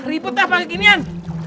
ribut ah pake ginian